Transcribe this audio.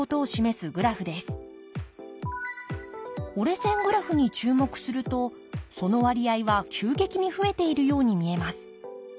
折れ線グラフに注目するとその割合は急激に増えているように見えます。